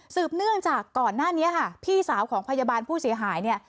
เนื่องจากก่อนหน้านี้ค่ะพี่สาวของพยาบาลผู้เสียหายเนี่ย